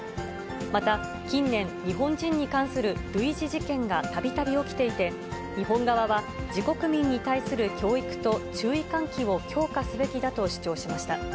また、近年、日本人に関する類似事件がたびたび起きていて、日本側は、自国民に対する教育と注意喚起を強化すべきだと主張しました。